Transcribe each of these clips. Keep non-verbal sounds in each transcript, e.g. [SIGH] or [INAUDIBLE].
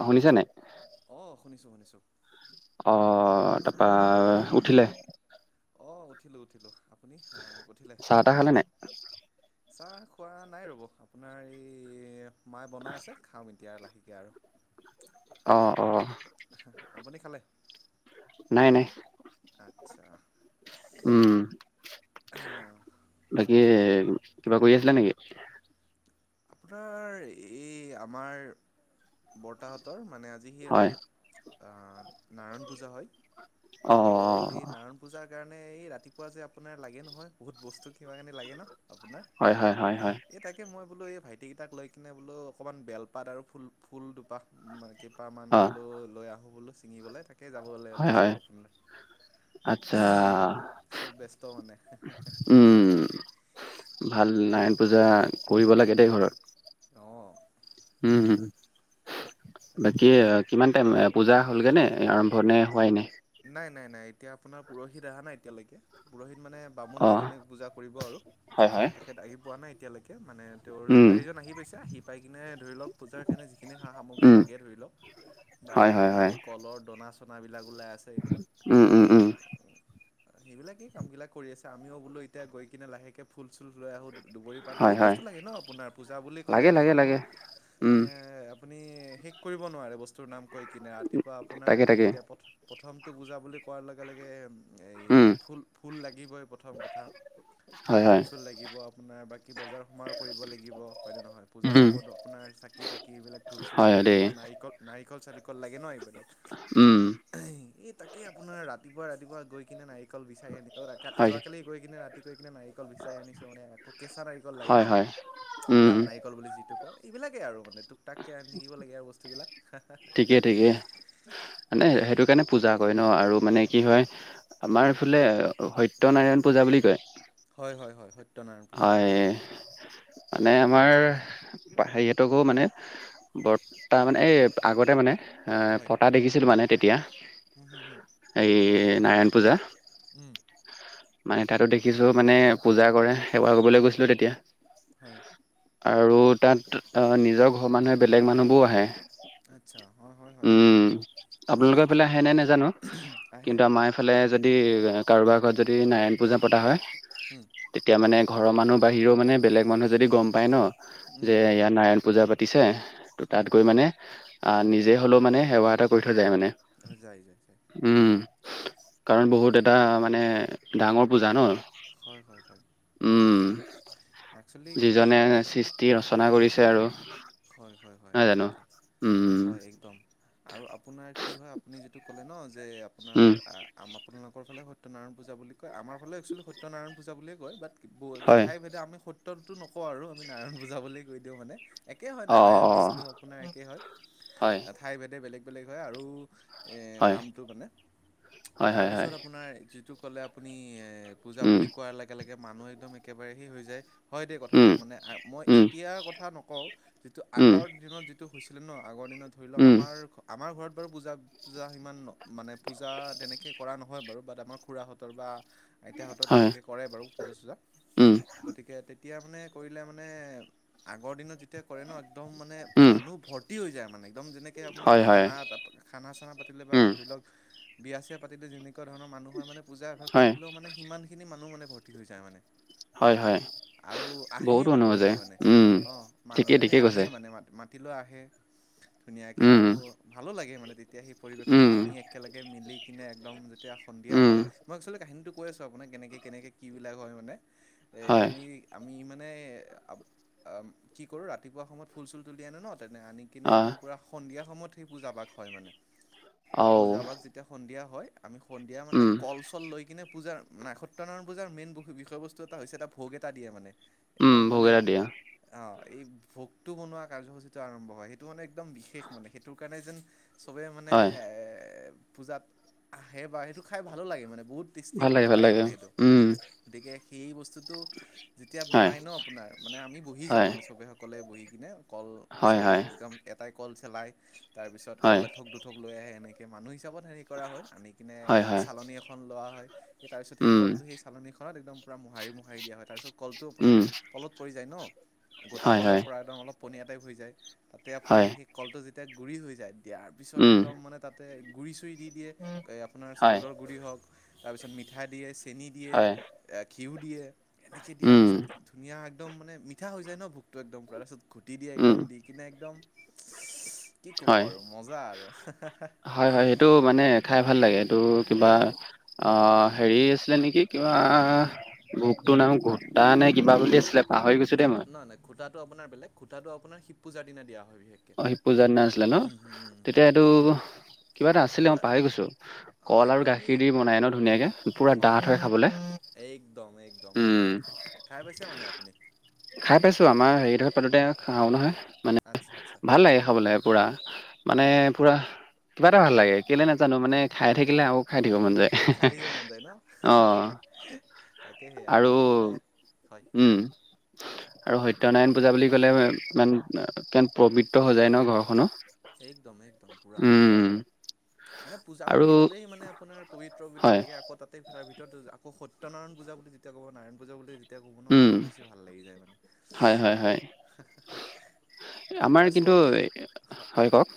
অ শুনিছা নাই? অ শুনিছো, শুনিছো। অ তাপা উঠিলে? অ উঠিলো উঠিলো, আপুনি আ উঠিলে? চাহ তাহ খালে নাই চাহ খোৱা নাই ৰ'ব আপোনাৰ এই মায়ে বনাই আছে খাম এতিয়া আৰু লাহেকে আৰু। অ অ। আপুনি খালে? নাই নাই আচ্ছা উম বাকী কিবা কৰি আছিলা নেকি? আপোনাৰ এই আমাৰ বৰ্তাহঁতৰ মানে আজি হেই হয়। আ নাৰায়ণ পূজা হয় অ' ত' এই অ' নাৰায়ণ পূজাৰ কাৰণে এই ৰাতিপুৱা যে আপোনাৰ লাগে নহয় বহুত বস্তু কিবা কানি লাগে ন আপোনাৰ। হয় হয় হয় হয় এই তাকে মই বোলো এই ভাইটিকেইটাক লৈ কিনে বোলো অকণমান বেলপাত আৰু ফুল ফুল দুপাহ মানে কেইপামান অ' বোলো লৈ আহো বোলো ছিঙিবলে তাকেই যাবলে হয় হয় ওলাইছিলো আপোনাৰ আচ্ছা এহ মানে চব ব্যস্ত মানে হে হে হে। উম ভাল নাৰায়ণ পূজা কৰিব লাগে দেই ঘৰত। অ উম হম তাকে বাকী আপোনাৰ কিমান নাৰায়ণ পূজা হ'লগৈ নে আৰম্ভ নে হোৱাই নাই? নাই নাই নাই এতিয়া আপোনাৰ পোৰহিত অহা নাই এতিয়ালৈকে পোৰহিত মানে বামুণ অ' যিজনে পূজা কৰিব আৰু হয় হয় তেখেত আহি পোৱা নাই এতিয়ালৈকে মানে তেওঁৰ উম যোগাৰীজন আহি পাইছে আহি পাই কিনে ধৰি লওক পূজাৰ কাৰণে যিখিনি সা সামগ্ৰী উম লাগে ধৰি লওক বা হয় হয় আপোনাৰ হয় এই কলৰ দনা চনাবিলাক ওলাই আছে এইবিলাক উম উম আ উম অ সেইবিলাকেই কামবিলাক কৰি আছে আমিও বোলো এতিয়া গৈ কিনে লাহেকে ফুল চুল লৈ আহো দুবৰি তাত হয় বহুত হয় বস্তু লাগে ন আপোনাৰ পূজা বুলি ক'লে লাগে লাগে এখনো লাগে উম এ আপুনি শেষ কৰিব নোৱাৰে বস্তুৰ নাম কৈ কিনে ৰাতিপুৱা আপোনাৰ তাকে তাকে এতিয়া প্ৰথ প্ৰথমটো পূজা বুলি কোৱাৰ লগে লগে এই উম ফুল ফুল লাগিবই প্ৰথম কথা। হয় হয় ফুল চুল লাগিব আপোনাৰ বাকী বজাৰ সমাৰ কৰিব লাগিব হয়নে নহয়? উম, পূজাত আকৌ আপোনাৰ চাকি তাকি এইবিলাক ধূপ চুপ হয়, হয় লাগে দেই। বা নাৰিকল নাৰিকল চাৰিকল লাগে ন এইবিলাক। উম। এই তাকে আপোনাৰ ৰাতিপুৱা ৰাতিপুৱা গৈ কিনে নাই নাৰিকল বিচাৰি আনি অ হয়, যোৱাকালি গৈ কিনে ৰাতি গৈ কিনে নাৰিকল বিচাৰি আনিছো মানে আকৌ কেঁচা নাৰিকল লাগে হয়, হয়। উম, ন। দাব উম, নাৰিকল বুলি যিটো কই এইবিলাকেই আৰু মানে টুক টাককে আনি থাকিব লাগে আৰু বস্তুবিলাক হা। ঠিকেই ঠিকেই মানে সেইটো কাৰণে পূজা কৰে ন আৰু মানে কি হয় আমাৰ হয় এইফালে সত্যনাৰায়ণ পূজা বুলি কয়। হয় হয় হয় স হয় মানে আমাৰ হেৰি হঁতকো মানে বৰ তাৰ মানে এই আগতে মানে এ হয় পতা দেখিছিলো মানে তেতিয়া। হুম হুম হুম এই নাৰায়ণ পূজা। উম। মানে তাতো দেখিছো মানে পূজা কৰে সেৱা কৰিবলৈ গৈছিলো তেতিয়া। হয় আৰু তাত নিজৰ অ ঘৰৰ মানুহে বেলেগ মানুহবোৰ আহে। আচ্ছা হয় হয় হয় আহে উম, আহে। আপোনালোকৰ ফালে আহে নাই নেজানো আহে কিন্তু আহে আমাৰ এইফালে যদি কাৰোবাৰ ঘৰত যদি নাৰায়ণ পূজা পতা হয়, উম তেতিয়া মানে ঘৰৰ মানুহ বাহিৰেও মানে বেলেগ মানুহে যদি গম পায় ন উম যে ইয়াত নাৰায়ণ পূজা পাতিছে, ত, হয় তাত গৈ মানে নিজে হ'লেও মানে সেৱা এটা কৰি থৈ যায় মানে। যায়-যায়-যায়। উম কাৰণ বহুত এটা মানে ডাঙৰ পূজা ন। হয় হয় হয় একচুৱেলি উম কি যিজনে হয় চিচ যি ৰচনা কৰিছে আৰু। হয়-হয়-হয়, নহয় জানো তাকে উম হয়, একদম আৰু আপোনাৰ কি হয় আপুনি যিটো ক'লে ন যে আপোনাৰ উম আ আপোনালোকৰ ফালে সত্যনাৰায়ণ পূজা বুলি কয় আমাৰ ফালে একচুৱেলি সত্যনাৰায়ণ পূজা বুলিয়ে কয় বাট হয় ঠাই ভেদে আমি সত্য কীৰ্তনতো নকও আৰু আমি নাৰায়ণ পূজা বুলি কৈ দিও মানে একে হয় অ নাৰায়ণ, অ বিষ্ণু আপোনাৰ একেই হয় হয় ঠাইভেদে বেলেগ - বেলেগ হয় আৰু এহ হয় নামটো মানে হয় হয় হয় তাৰপিছত আপোনাৰ যিটো ক'লে আপুনি পূজা উম বুলি কোৱাৰ লগে-লগে মানুহ একদম একেবাৰেহি হৈ যায়। হয় দেই কথাটো উম মানে মই উম এতিয়া কথা নকও যিটো উম আগৰ দিনত যিটো টো হৈছিলে ন আগৰ দিনত ধৰি লওক উম আমাৰ - আমাৰ ঘৰত বাৰু বুজা পূজা সিমান মানে পূজা তেনেকৈ কৰা নহয় বাৰু বাট আমাৰ খুৰাহঁতৰ বা আইতাহৰ হয় তেনেকৈ কৰে বাৰু পূজা-চূজা উম গতিকে তেতিয়া মানে কৰিলে মানে আগৰ দিনত যেতিয়া কৰে ন একদম মানে উম মানুহ ভৰ্তি হৈ যায় মানে। একদম যেনেকৈ আপোনাৰ হয় হয় খানা-খানা চানা পাতিলে বা উম ধৰি লওক বিয়া চিয়া পাতিলে যেনেকৈ তেনেুৱা ধৰণৰ মানুহ মানে পূজা এভাগ হয়, পাতিলেও মানে সিমানখিনি মানুহ মানে ভৰ্তি হৈ য মানে। হয়, হয়, আৰু বহুত আহেই অনুভৱ মানুহখিনি যায়, মানে উম। অ। ঠিকেই, মানুহখিনি ঠিকেই কৈছে, আহেই মানে মা মাতিলেও আহে ধুনীয়াকৈ উম, আৰু ভালো লাগে মানে। তেতিয়া সেই পৰিৱেশটোত উম, আমি একেলগে মিলি কিনে একদম যেতিয়া সন্ধিয়া উম, হয় মই আচলতে কাহিনীটো কৈ আছো আপোনাক কেনেকৈ কেনেকৈ কি বিলাক হয় মানে এই হয়, আমি আমি মানে কি কৰো ৰাতিপুৱা সময়ত ফুল চুল তুলি আনো ন তেনে আনি কিনে আহ, একদম পূৰা সন্ধিয়া সময়ত সেই পূজা পাক হয় মানে আও, পূজা পাগ যেতিয়া সন্ধিয়া হয়। আমি সন্ধিয়া মানে উম, কল চল লৈ কিনে পূজাৰ ন সত্যনাৰায়ণ পূজাৰ মেইন বিষয় বস্তু এটা হৈছে এটা ভোগ এটা দিয়ে মানে। উম, একদম ভোগ মানে এটা দিয়ে, অ, এই ভোগটো বনোৱা কাৰ্যসূচীটো আৰম্ভ হয় সেইটো মানে একদম বিশেষ মানে সেইটোৰ কাৰণে যেন চবে মানে হয়, পূজাত আহে বা সেইটো খাই ভালো লাগে মানে বহুত টেষ্টি ভাল মানে ভাল লাগে মানে সেইটো। উম, গতিকে সেই বস্তুটো যেতিয়া হয়, বনাই ন আপোনাৰ মানে আমি বহি যাও হয়, মানে। ছবি সকলে বহি কিনে কল হয়, চল হয়, একদ এটাই কল চেলাই তাৰপিছত হয়, কল এথোক। থোক লৈ আহে এনেকৈ মানুহ হিচাপত হেৰি কৰা হয় আনি কিনে হয়, হয়, চালনী এখন লোৱা হয়। স তাৰপিছত সেই উম, কলটো সেই চালনিখনত একদম পুৰা মোহাৰি মোহাৰি দিয়া হয় তাৰপিছত কলটো আপোনাৰ উম, তলত পৰি যায় ন। গোটা হয়, কলৰ হয়, পৰা একদম অলপ পনীয়া টাইপ হৈ যায় তাতে আপোনাৰ হয়, সেই কলটো যেতিয়া গুড়ি হৈ যায়। দিয়াৰ পিছত উম, একদম মানে তাতে গুড়ি- চুৰি দি দিয়ে আপোনাৰ হয়, চাউলৰ গুড়ি হওক তাৰপিছত মিঠাই দিয়ে, চেনি দিয়ে, হয়, ঘিউ দিয়ে। এনেকৈ দিয়াৰ উম, পিছত ধুনীয়া একদম মানে মিঠা হৈ যায় ন ভোকটো একদম পূৰা তাৰপিছত ঘুটি দিয়ে উম, একদম দি [UNINTELLIGIBLE] কিনে একদম কি কব আৰু মজা আৰু। হয়-হয় সেইটো মানে খাই ভাল লাগে সেইটো কিবা এই অ, হেৰি আছিলে নেকি কিবাগ্ৰুপটোৰ নাম ঘোটা নে কিবা বুলি আছিলে। পাহৰি গৈছো খু দেই মই নাই খুটাটো আপোনাৰ বেলেগ খুটাটো আপাৰ শিট পূজাৰ দিনা দিয়া হয় বিশেষক। অ, শিট পূজাৰ দিনা আছিলে ন, তেতিয়া এইটো কিবা এটা এইটো আছিলে মই পাহৰি গৈছো। অঁ কল এইটো আৰু আমি গাখীৰ দি বনাই ন ধুনীয়াকে পুৰা ডাঠ হয় খাবলে। একদম - একদম উম, খাই পাইছে মানে আপুনি। খাই পাইছো। আমাৰ হেৰিটোত পাতোতে খাও নহয়। মানে আচ্ছা - আচ্ছা। ভাল লাগে খাবলৈ পূৰা মানে অঁ পুৰা কিবা এটা ভাল লাগে কেলে নাজানো মানে খাই থাকিলে আকৌ খাই থাকিব মন যায়। খাই থাকিব মন যায় ন। অ', [INAUDIBLE] তাকে সে আৰু একদম মানে হয় ক উম। আৰু সত্যনাৰায়ণ পূজা বুলি ক'লে ইমান কি পবিত্ৰ হৈ যায় ন ঘৰখনো। একদম, একদম পূৰা। উম মানে পূজা আৰু বুলি ক'লেই মানে আপোনাৰ পবিত্ৰ পবিত্ৰ হয় লাগে আকৌ তাতে তাৰ ভিতৰত আকৌ সত্যনাৰায়ণ পূজা বুলি যেতিয়া ক'ব নাৰায়ণ পূজা বুলি এতিয়া ক'ব নো উম আৰু বেছি ভাল লাগি যায় হয় হয় হয় মানে। আমাৰ আৰু কিন্তু চবতকে বেছ হ- হয় কওক।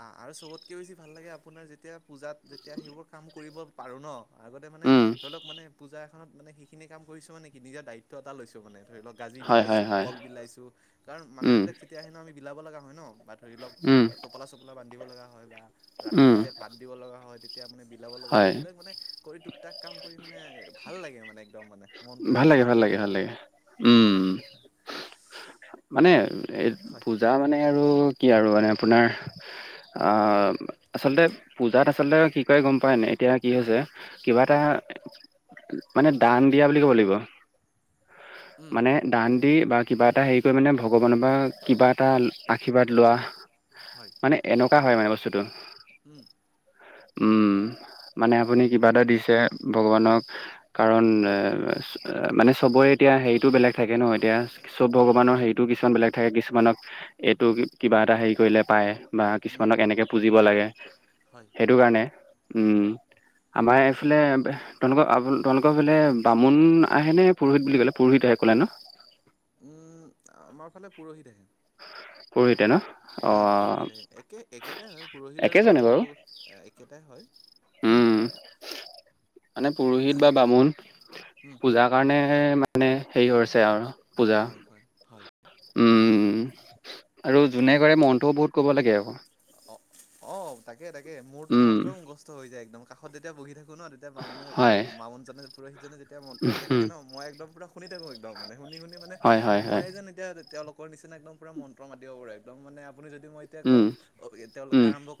অ আৰু চবতকৈ বেছি ভাল লাগে আপোনাৰ যেতিয়া পূজাত যেতিয়া সেইবোৰ কাম কৰিব পাৰোঁ ন। আগতে মানে উম ধৰি লওক মানে পূজা এখনত মানে সেইখিনি কাম কৰিছো মানে কি নিজৰ দায়িত্ব এটা লৈছো মানে। ধৰি লওক গাজি হয় হয় বিলাইছোঁ, হয় কল বিলাইছোঁ। কাৰণ উম মানুহবিলাক তেতিয়া আহে ন আমি বিলাব লগা হয় ন। বাট- ধৰি লওক উম টোপলা চপলা বান্ধিব লগা হয় বা ৰাতি উম যেতিয়া ভাত দিব লগা হয় তে- তিয়া মানে বিলাব লগা হয়। এইবিলাক মানে কৰি টপ টাক কাম কৰি মানে ভাল লাগে মানে একদম মানে। মনটোৱে ভাল মানে লাগে ভাল লাগি লাগে যায় ভাল মানে লাগে উম। মানে এ হয় পূজা মানে আৰু কি আৰু মানে আপোনাৰ- অ আচলতে পূজাত আচলতে কি কয় গম পায় নাই? এতিয়া কি হৈছে- কিবা এটা হয় মানে দান দিয়া বুলি ক'ব লাগিব। উম মানে- দান দি বা কিবা এটা হেৰি কৰি মানে ভগৱানৰ পৰা কিবা এটা আশীৰ্বাদ লোৱা। হয়। মানে এনেকুৱা হয় মানে বস্তুটো। হম। উম মানে আপুনি কিবা এটা দিছে ভগৱানক। কাৰণ এ মানে চবৰে এতিয়া হেৰিতটো বেলেগ থাকে ন। এতিয়া- চব ভগৱানৰ হেৰিটো কিছুমান বেলেগ থাকে। কিছুমানক এইটো কিবা এটা হেৰি কৰিলে পায়। বা উম কিছুমানক এনেকে পুজিব লাগে। হয়। সেইটো কাৰণে উম আমাৰ বুজিছোঁ এইফালে তেওঁলোকৰ আপ তেওঁলোকৰ ফালে- উম আহেনে পুৰোহিত বুলি ক'লে, পুৰোহিত আহে কলে ন। আমাৰ ফালে পুৰোহিত আহে। পুৰোহিতে ন। অ উম পুৰোহিত আহে। একে একেটাই হয় পুৰোহিত আৰু একেজনে বামুণ বাৰু ক'ব গলে একেটাই হয়। উম মানে পুৰোহিত বা বামুণ। উম, পূজাৰ কাৰণে মানে হেৰি হৈছে আৰু। পূজা হয় হয়। হয়। আৰু যোনে কৰে মন্ত্ৰও বহুত ক'ব লাগে আক। অ অ তাকে তাকে মোৰতো উম মন্ত্ৰ মুখস্থ হৈ যায় একদম কাষত যেতিয়া বহি থাকো ন তেত- যেতিয়া মামুণে হয় মামুণজনে পুৰোহিতজনে যেতিয়া মন্ত্ৰ মাতি থাকে উম ন, মই একদম পুৰা শুনি থাকোঁ একদমানে শুনি শুনি মানে- হয় হয়। মই হয় যেন এতিয়া তেওঁলোকৰ নিচিনা একদম পূৰা মন্ত্ৰ মাতিব পাৰো। একদম মানে আপুনি যদি মই- উম কওক তেওঁলোকে উম আৰম্ভ- [UNINTELLIGIBLE]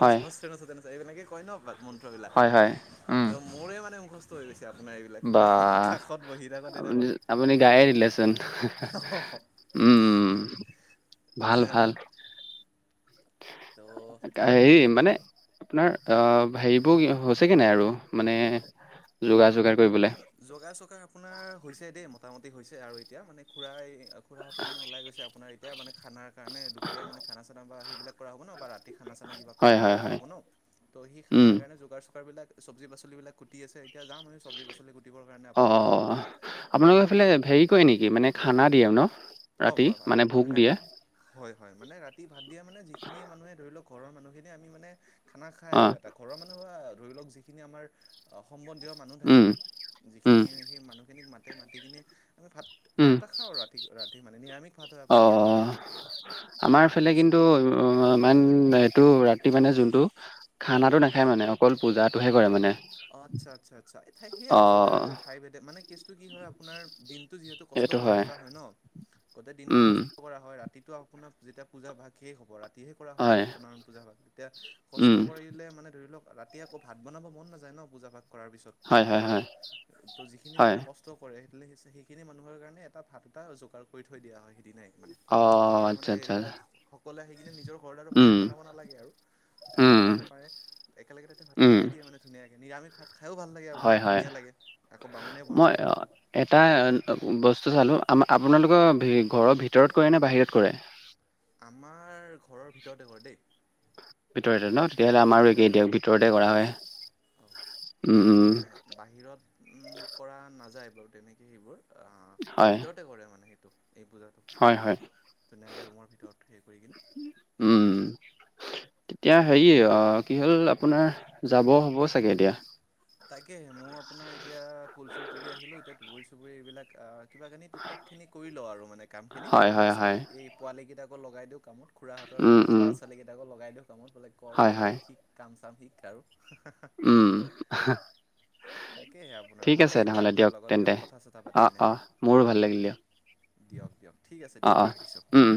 হয় এনেকে কয় ন এপাল মন্ত্ৰবিলাক হয় হয় উম ত মোৰে মানে মুখস্থ- হৈ গৈছে আপোনাৰ এইবিলাক বা কাষত বহি থাকোঁতে আপুনি থাকোঁতে। আপুনি গায়ে দিলেচোন, উম ভাল ভাল। ত' আ হে মানে আপোনাৰ অ হয়। হেৰিবোৰ হৈছেগৈ নাই আৰু মানে যোগা যোগাৰ কৰিবলে? জোগাৰ চোগাৰ আপোনাৰ হৈছে দেই মোটামুটি হৈছে আৰু এতিয়া মানে খুৰা আ খুৰাহঁতে মানে ওলাই গৈছে আপোনাৰ এতিয়া মানে খানা কাৰণে, দুপৰীয়া মানে খানা চানা সেইবিলাক কৰা হ'ব ন বাৰাত খানা চানা কিবা কৰি হয় হয় কৰা হয় হ'ব ন, তো সেই উম খানাৰ কাৰণে যোগাৰ চোগাৰবিলাক। চবজি পাচলি বিলাক কুটি আছে, এতিয়া যামহে চবজি পাচলি কুটি- অঁ অঁ আপোনালোকে বাকী এইফালে হেৰি কৰে নেকি মানে খানা দিয়ে ন। অ' ৰাতি ব ৰা মানে ভোক দিয়ে। ৰাতি হয় হয় মানে ৰাতি ভাত দিয়া মানে যিখিনি মানুহে ধৰি লওঁক ঘৰৰ মানুহখিনি আমি মানে খানা খাই আৰু অ', এটা। ঘৰৰ মানুহ বা ধৰি লওঁক যিখিনি আমাৰ সম্বন্ধীয় মানুহ থাকে। উম, উম, যিখিনি সেই মানুহখিনিক মাতে মাতি কিনে আমি ভাত ভাত উম, দুটা খাওঁ ৰাতি ৰাতি, মানে নিৰামিষ ভাত হয় অ আপোনাৰ আমাৰ ফালে অ' চু কিন্তু অ ই‌ ইমান এইটো ৰাতি মানে যোনটো হয় খানাটো ন, হে মানে অকল পূজাটোহে কৰে মানে। আচ্ছা আচ্ছা আচ্ছা এইঠাই সেই আৰু সবৰে অ', ঠাই ভেদে মানে। কেচটো কি হয় আপোনাৰ দিনটো যিহু কষ্ট কৰি থ হয় ন। গোটেই দিনটো উম, কষ্ট কৰা হয় ৰা, তো আপোনাৰ যেতিয়া পূজা ভাগ সেই হ'ব ৰাত, ৰাতিহে কৰা হয় ন সত্য নাৰায়ণ পূজা ভাগ তেতিয়া কষ্ট উম, কৰিলে মানে ধৰি লওক ৰাতি আকৌ ভাত বনাব মন নাযায়। ন, পূজা ভাগ কৰা পিছত হয়, হয়, কাৰো। হয়, ত‌ যিখিনি হয়। মানুহ কচ, ত কৰে সেই সেইখিনি মানুহৰ কাৰণে এটা ভাত এটা যোগাৰ কৰি থৈ দিয়া হয় সেইদিনাই। অ', তেতিয়া আচ্ছা, মানে আচ্ছা, তেতিয়া সকলোৱে আহি কিনে নিজৰ ঘৰত আৰু উম, ভাতটো বনাব নালাগে আৰু উম, যিকেইজনে পাৰে একেলগে তাতে ভাতটো উম, খাই দিয়ে মানে। ধুনীয়াকৈ নিৰামিষ ভাত খায়ো ভাল লাগে, হয়, আপোনাৰ হয়, ধুনীয়া লাগে আকৌ বামুণে বনায় মই সেই ভাতটো। এটা বস্তু চালোঁ। আ আপোনালোকৰ ঘৰৰ ভিতৰত কৰে নে বাহিৰত কৰে? আমাৰ ঘৰৰ ভিতৰতে কৰে দেই। ভিতৰতে ন। তেতিয়াহ'লে আমাৰো একেই ভিতৰতে দিয়ক ঘৰ ভিতৰতে কৰা অ' হয়। উম মানে উম, বাহিৰত উম কৰা নাযায় বাৰু তেনেকৈ সেইবোৰ হয় ভিতৰত তে কৰে মানে সেইটো এই পূজাটো। হয় হয়। ধুনীয়াকে ৰুমৰ ভিতৰত হেৰি কৰি। কিনে উম। তেতিয়া হেৰি অ কি হ'ল আপোনাৰ যাব হ'ব চাগে এতিয়া। তাকে মোৰ আপোনাৰ এতিয়া ফুল চুল তুলি আহিলো এতিয়া। দুৱৰী চুবৰী এইবিলাক কিবা কৰে নি টোকটাক, খিনি কৰি লওঁ আৰু মানে। কামখিনি হয় হয় হয় এই পোৱালীকেইটাকো লগাই দিওঁ কামত খুৰাহঁতৰ উম উম ল'ৰা ছোৱালীকেইটাকো লগাই দিওঁ। কামত বোলে কৰ হয় হয় সিহঁতে শিক, কাম চাম শিক আৰু উম হা, তাকেহে আপোনাৰ ঠিক ভাল আছে লাগিলে নহলে আপোনাৰ দিয়ক লগত তেন্তে কথা চথা পাতি অ কিনে অ মোৰো ভাল লাগিল দিয়ক। দিয়ক দিয়ক ঠিক আছে অঁ দিয়ক ৰাখিছোঁ। অঁ